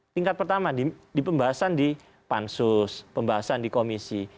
tingkat pertama di pembahasan di pansus pembahasan di komisi